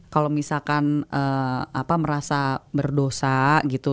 kalau misalkan merasa berdosa gitu